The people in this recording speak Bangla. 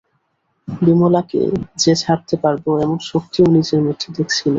বিমলাকে যে ছাড়তে পারব এমন শক্তিও নিজের মধ্যে দেখছি নে।